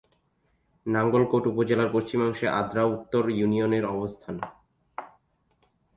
নাঙ্গলকোট উপজেলার পশ্চিমাংশে আদ্রা উত্তর ইউনিয়নের অবস্থান।